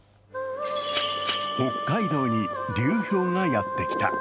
北海道に流氷がやってきた。